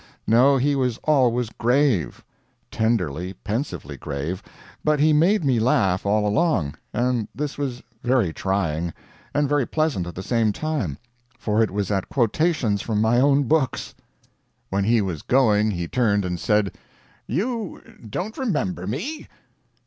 No, he was always grave tenderly, pensively grave; but he made me laugh, all along; and this was very trying and very pleasant at the same time for it was at quotations from my own books. When he was going, he turned and said: "You don't remember me?"